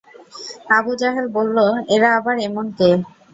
Abu Jahl বলল, এরা আবার এমন কে?